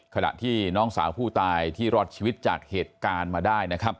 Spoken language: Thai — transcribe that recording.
ขณะที่น้องสาวผู้ตายที่รอดชีวิตจากเหตุการณ์มาได้นะครับ